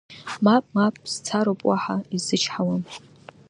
Мап, мап, сцароуп, уаҳа исзычҳауам!